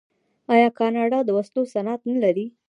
آیا کاناډا د وسلو صنعت نلري؟